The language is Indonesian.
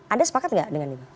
anda sepakat nggak dengan itu